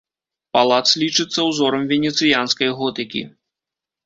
Палац лічыцца ўзорам венецыянскай готыкі.